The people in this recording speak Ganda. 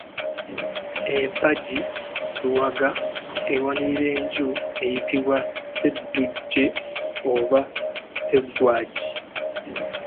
Empagi luwaga ewanirira enju eyitibwa Sseddugge oba Sseggwagi.